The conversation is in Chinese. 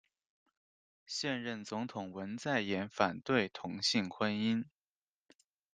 现任总统文在寅反对同性婚姻。